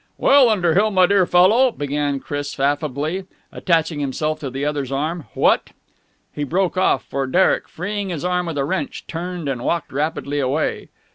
"Well, Underhill, my dear fellow," began Uncle Chris affably, attaching himself to the other's arm, "what...?" He broke off, for Derek, freeing his arm with a wrench, turned and walked rapidly away.